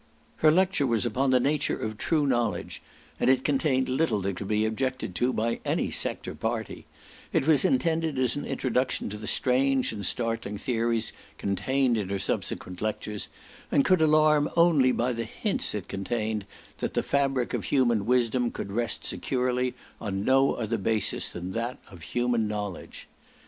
Her lecture was upon the nature of true knowledge, and it contained little that could be objected to, by any sect or party; it was intended as an introduction to the strange and startling theories contained in her subsequent lectures, and could alarm only by the hints it contained that the fabric of human wisdom could rest securely on no other base than that of human knowledge.